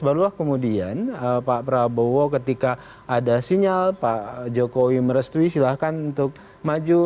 barulah kemudian pak prabowo ketika ada sinyal pak jokowi merestui silahkan untuk maju